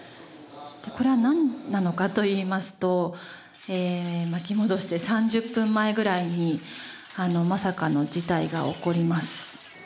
これはなんなのかといいますと巻き戻して３０分前ぐらいにまさかの事態が起こります。